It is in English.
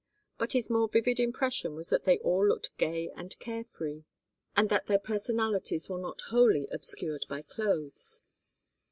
But his more vivid impression was that they all looked gay and care free, and that their personalities were not wholly obscured by clothes.